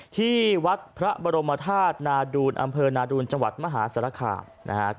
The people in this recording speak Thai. ที่วัดพระบรมธาตุนาดูลอำเภอนาดูลจังหวัดมหาศรษภาค